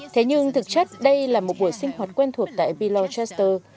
thế nhưng thực chất đây là một buổi sinh hoạt quen thuộc tại billorchester